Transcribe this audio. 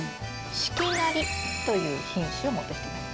四季なりという品種を持ってきてます。